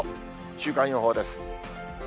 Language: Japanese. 週間予報です。